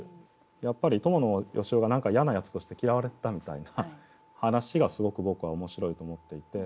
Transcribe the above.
やっぱり伴善男が何か嫌なやつとして嫌われてたみたいな話がすごく僕は面白いと思っていて。